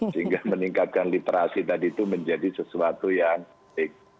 sehingga meningkatkan literasi tadi itu menjadi sesuatu yang baik